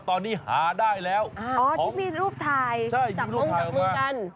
ตอนนี้หาได้แล้วอ๋อที่มีรูปถ่ายใช่จับมงจับมือกัน